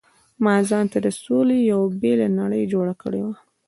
ما ځانته د سولې یو بېله نړۍ جوړه کړې وه.